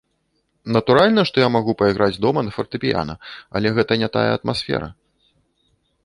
Натуральна, што я магу пайграць дома на фартэпіяна, але гэта не тая атмасфера.